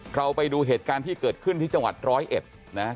เราไปดูเหตุการณ์ที่เกิดขึ้นที่จังหวัดร้อยเอ็ดนะฮะ